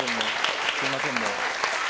すみません、もう。